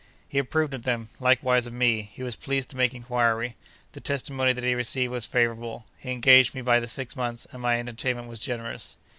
He approved of them; likewise of me. He was pleased to make inquiry. The testimony that he received was favourable. He engaged me by the six months, and my entertainment was generous.